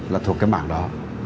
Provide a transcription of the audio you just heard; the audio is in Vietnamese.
là thuộc cái mảng đó